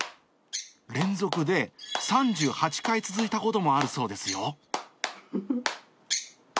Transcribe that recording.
連続で３８回続いたこともあるそうですよ。